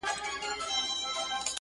بُت خانه به مي د زړه لکه حرم کا،